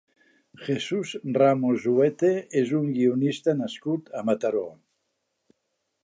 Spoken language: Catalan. Jesús Ramos Huete és un guionista nascut a Mataró.